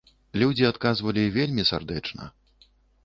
Людзі адказвалі вельмі сардэчна.